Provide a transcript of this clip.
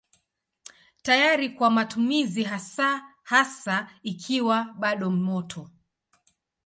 Tayari kwa matumizi hasa hasa ikiwa bado moto.